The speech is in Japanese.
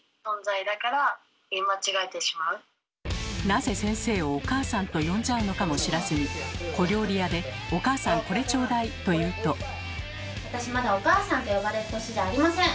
なぜ先生をお母さんと呼んじゃうのかも知らずに小料理屋で「おかあさんこれちょうだい」と言うと私まだ「おかあさん」って呼ばれる年じゃありません！